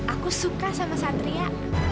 aku suka sama satria